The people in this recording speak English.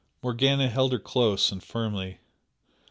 Morgana held her close and firmly.